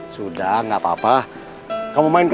lucat senimu lol enjoying tv